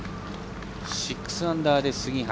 ６アンダーで杉原。